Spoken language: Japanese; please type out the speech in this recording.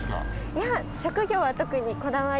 いや職業は特にこだわりはなく。